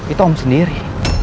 itu om sendiri